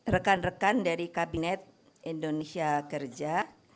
rekan rekan dari kabinet indonesia kerja